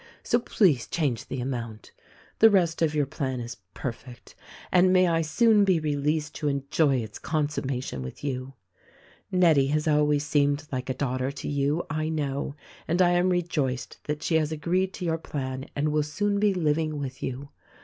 So, please change the amount. "The rest of your plan is perfect — and may I soon be released to enjoy its consumation with you ! "Nettie has always seemed like a daughter to vou, I know, and I am rejoiced that she has agreed to your plan and will soon be living with you.